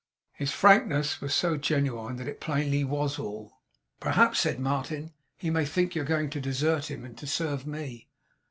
His frankness was so genuine that it plainly WAS all. 'Perhaps,' said Martin, 'he may think you are going to desert him, and to serve me?